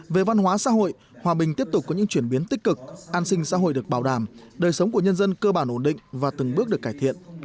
về văn hóa xã hội hòa bình tiếp tục có những chuyển biến tích cực an sinh xã hội được bảo đảm đời sống của nhân dân cơ bản ổn định và từng bước được cải thiện